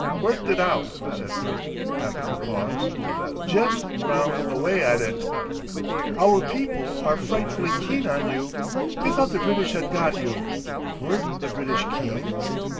"Worked it out," said Bert, after a pause. "Jest ground away at it." "Our people are frightfully keen on you. They thought the British had got you. Weren't the British keen?"